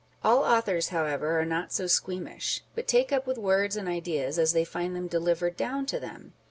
1 All authors, however, are not so squeamish ; but take up with words and ideas as they find them delivered down to them.